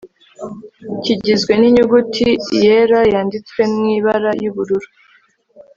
kigizwe n'inyuguti l yera yánditswe mw'ibara ry'ubururu